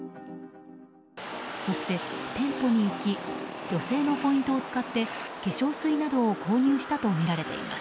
そして店舗に行き女性のポイントを使って化粧水などを購入したとみられています。